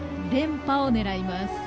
連覇を狙います。